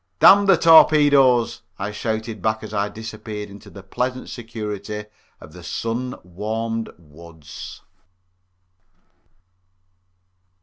"Damn the torpedoes!" I shouted back as I disappeared into the pleasant security of the sun warmed woods.